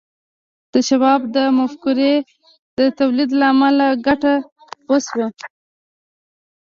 د شواب د مفکورې د تولید له امله ګټه وشوه